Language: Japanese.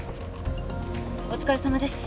お疲れさまです